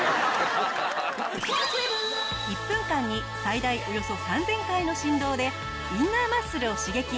１分間に最大およそ３０００回の振動でインナーマッスルを刺激！